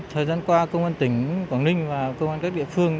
thời gian qua công an tỉnh quảng ninh và công an các địa phương